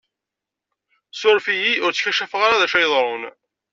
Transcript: Suref-iyi, ur tkacafeɣ ara d acu ara yeḍṛun!